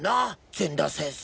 善田先生。